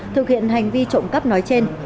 thực hiện hành vi trộm cắp nói trên